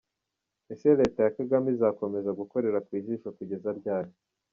· Ese Leta ya Kagame izakomeza gukorera ku jisho kugeza ryari?